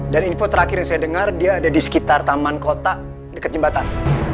dan info terakhir yang saya dengar dia ada di sekitar taman kota dekat jembatan